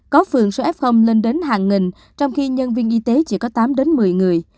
có phường số f lên đến hàng nghìn trong khi nhân viên y tế chỉ có tám đến một mươi người